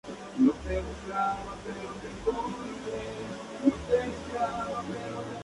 Por la misma razón, la falta del motor, el proyecto fue cancelado.